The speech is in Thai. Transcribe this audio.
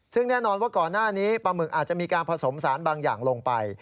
ซึ่งแน่นอนว่าก่อนหน้านี้ปลาหมึกอาจจะมีการผสมสารบางอย่างลงไป